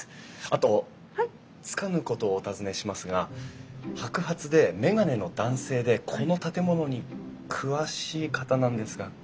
あとつかぬ事をお尋ねしますが白髪で眼鏡の男性でこの建物に詳しい方なんですがご存じないですか？